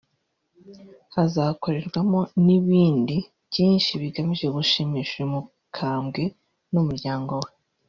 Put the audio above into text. Hazakorerwamo n’ibindi byinshi bigamije gushimisha uyu mukambwe n’umuryango we